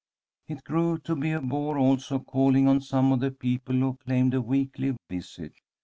It grew to be a bore, also, calling on some of the people who claimed a weekly visit.